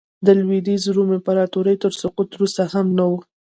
د لوېدیځ روم امپراتورۍ تر سقوط وروسته هم نه و